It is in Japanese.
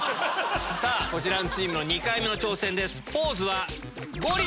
さぁこちらのチームの２回目の挑戦です。